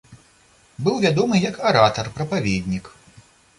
Быў вядомы як аратар, прапаведнік.